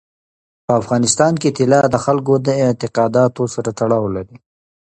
په افغانستان کې طلا د خلکو د اعتقاداتو سره تړاو لري.